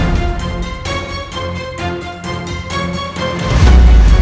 di tempat ini